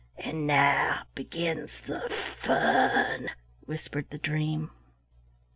"And now begins the fun," whispered the dream.